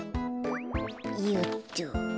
よっと。